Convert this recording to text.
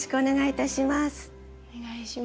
お願いします。